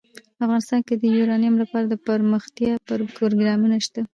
افغانستان کې د یورانیم لپاره دپرمختیا پروګرامونه شته.